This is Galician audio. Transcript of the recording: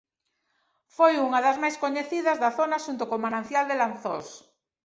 Foi unha das máis coñecidas da zona xunto con manancial de Lanzós.